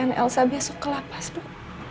jangan kembalikan elsa besok ke lapas dok